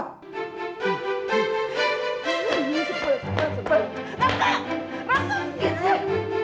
sebel sebel sebel